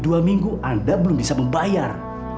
dua minggu anda belum bisa membayar